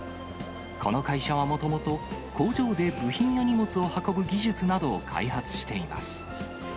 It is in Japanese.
この会社はもともと工場で部品や荷物を運ぶ技術などを開発しています。